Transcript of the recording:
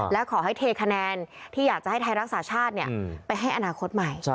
และขอให้เทคะแนนที่อยากจะให้ไทยรักษาชาติไปให้อนาคตใหม่